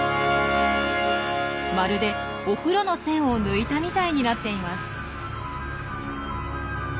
まるでお風呂の栓を抜いたみたいになっています。